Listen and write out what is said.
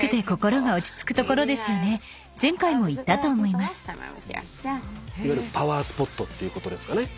いわゆるパワースポットっていうことですかね。